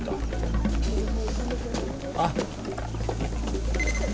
あっ！